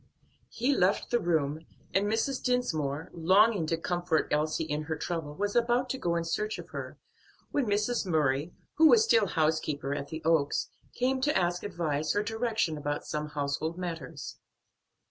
He left the room, and Mrs. Dinsmore, longing to comfort Elsie in her trouble, was about to go in search of her, when Mrs. Murray, who was still housekeeper at the Oaks, came to ask advice or direction about some household matters.